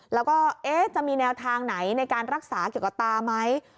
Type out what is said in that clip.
แล้วก็จะมีแนวทางไหนในการรักษาเกี่ยวกับตาไหม